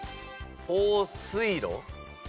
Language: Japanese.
放水路？